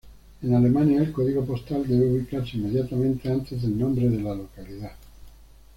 En Alemania, el código postal debe ubicarse inmediatamente antes del nombre de la localidad.